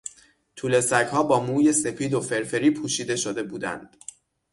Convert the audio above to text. توله سگها با موی سپید و فرفری پوشیده شده بودند.